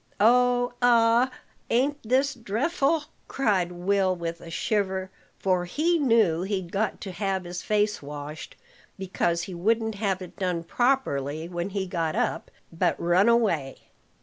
"Oh! ah! ain't this drefful?" cried Will, with a shiver; for he knew he'd got to have his face washed, because he wouldn't have it done properly when he got up, but ran away.